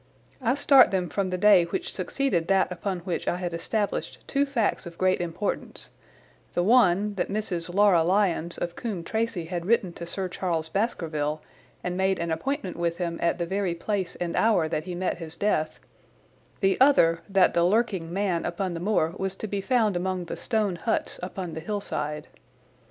I start them from the day which succeeded that upon which I had established two facts of great importance, the one that Mrs. Laura Lyons of Coombe Tracey had written to Sir Charles Baskerville and made an appointment with him at the very place and hour that he met his death, the other that the lurking man upon the moor was to be found among the stone huts upon the hillside.